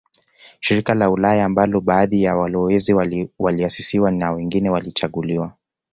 Shirika la Ulaya ambalo baadhi ya walowezi waliasisiwa na wengine walichaguliwa